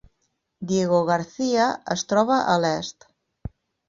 Diego Garcia es troba a l'est.